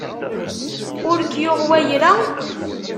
Ur k-yuɣ wayra?